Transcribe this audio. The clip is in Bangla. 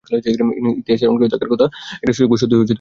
ইতিহাসের অংশ হয়ে থাকার একটা সুযোগ পেয়ে সত্যিই খুব ভালো লাগছে।